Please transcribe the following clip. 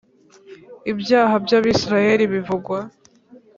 Ibyaha by Abisirayeli bivugwa